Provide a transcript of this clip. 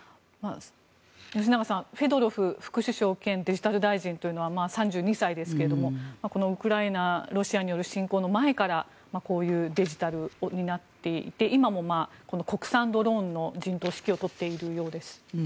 吉永さん、フェドロフ副首相兼デジタル大臣というのは３２歳ですけれども、ウクライナロシアによる侵攻の前からこういうデジタルを担っていて今も国産ドローンの陣頭指揮を執っているようです。